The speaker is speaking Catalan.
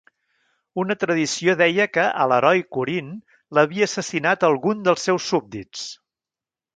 Una tradició deia que a l'heroi Corint l'havia assassinat algun dels seus súbdits.